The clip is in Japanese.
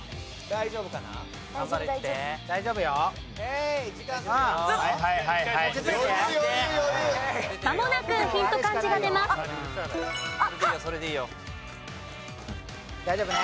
大丈夫ね？